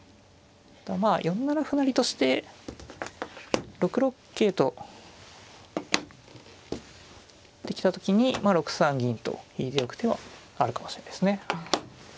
まあ４七歩成として６六桂と取ってきた時に６三銀と引いておく手はあるかもしれないですね。